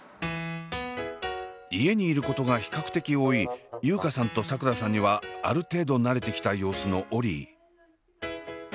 家にいることが比較的多い優佳さんとさくらさんにはある程度慣れてきた様子のオリィ。